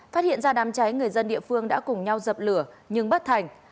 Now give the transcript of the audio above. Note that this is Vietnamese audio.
phát hiện ra đám cháy người dân địa phương đã cùng nhau dập lửa nhưng bất thành